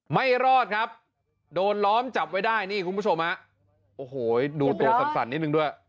ไม่รอดครับโดนล้อมจับไว้ได้นี่คุณผู้ชมฮะโอ้โหดูตัวสั่นนิดนึงด้วย